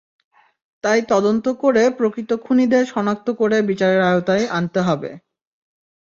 তাই তদন্ত করে প্রকৃত খুনিদের শনাক্ত করে বিচারের আওতায় আনতে হবে।